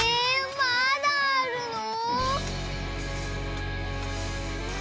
まだあるの？